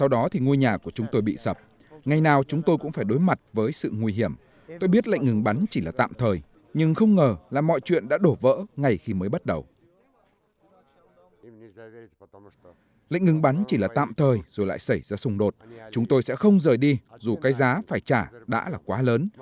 dù cái giá phải trả đã là quá lớn